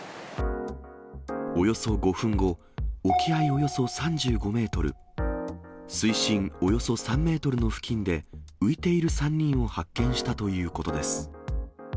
およそ５分後、沖合およそ３５メートル、水深およそ３メートルの付近で、浮いている３人を発見したということです。